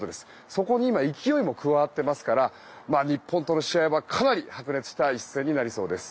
そこに、今勢いも加わっていますから日本との試合はかなり白熱しそうです。